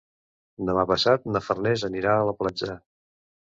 Demà passat na Farners anirà a la platja.